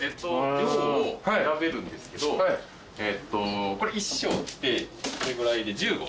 量を選べるんですけどこれ１升ってこれぐらいで１０合です。